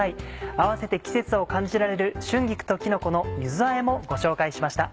併せて季節を感じられる「春菊ときのこの柚子あえ」もご紹介しました。